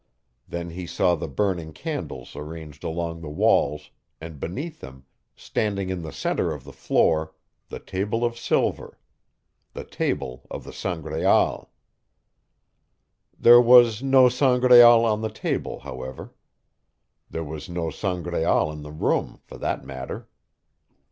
Then he saw the burning candles arranged along the walls, and beneath them, standing in the center of the floor, the table of silver. The table of the Sangraal.... There was no Sangraal on the table, however. There was no Sangraal in the room, for that matter.